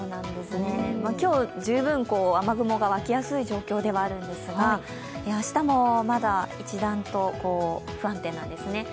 今日、十分雨雲が湧きやすい状況ではあるんですが明日もまだ一段と不安定なんですね。